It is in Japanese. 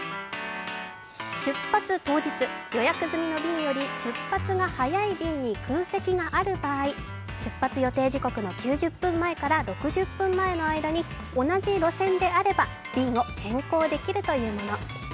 出発当日、予約済みの便より出発が早い便に空席がある場合、出発予定時刻の９０分前から６０分前までの間に同じ路線であれば便を変更できるというもの。